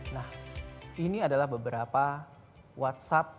nah ini adalah beberapa whatsapp